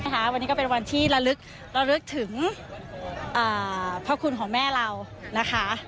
ค่ะวันนี้ก็เป็นวันที่ละลึกละลึกถึงอ่าพระคุณของแม่เรานะคะ